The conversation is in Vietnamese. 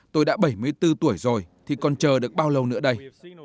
tôi đã bảy mươi bốn tuổi rồi thì còn chờ được bao lâu nữa đây